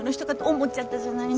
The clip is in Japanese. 思っちゃったじゃないの